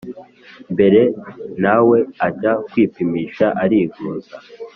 mbere, na we ajya kwipimisha arivuza